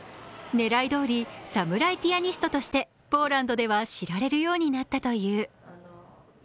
狙いどおり、サムライピアニストとしてポーランドでは知られるようになったという。